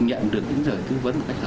nhận được những giới tư vấn